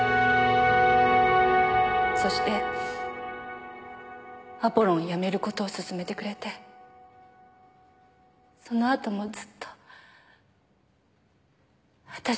そしてアポロンを辞める事を勧めてくれてそのあともずっと私を支えてくれた。